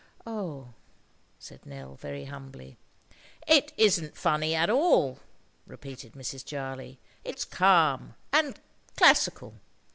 "Oh!" said Nell very humbly. "It isn't funny at all," repeated Mrs. Jarley. "It's calm and—classical.